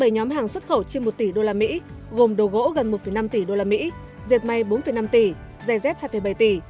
bảy nhóm hàng xuất khẩu trên một tỷ usd gồm đầu gỗ gần một năm tỷ usd diệt may bốn năm tỷ dây dép hai bảy tỷ